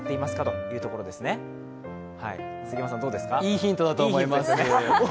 いいヒントだと思います。